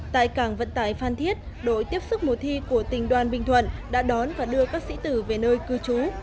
tại cảng vận tải phan thiết đội tiếp sức mùa thi của tỉnh đoàn bình thuận đã đón và đưa các sĩ tử về nơi cư trú